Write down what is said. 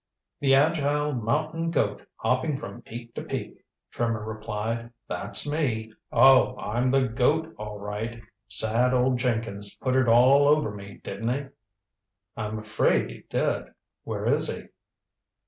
"The agile mountain goat hopping from peak to peak," Trimmer replied. "That's me. Oh, I'm the goat all right. Sad old Jenkins put it all over me, didn't he?" "I'm afraid he did. Where is he?"